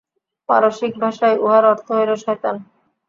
পারসীক ভাষায় উহার অর্থ হইল শয়তান।